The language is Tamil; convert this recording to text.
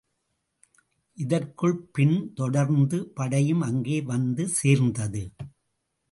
இதற்குள் பின் தொடர்ந்த படையும் அங்கே வந்து சேர்ந்தது.